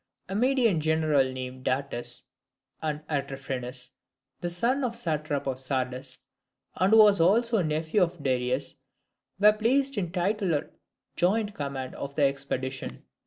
A Median general named Datis, and Artaphernes, the son of the satrap of Sardis, and who was also nephew of Darius, were placed in titular joint command of the expedition.